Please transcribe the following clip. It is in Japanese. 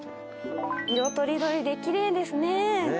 色とりどりで奇麗ですね。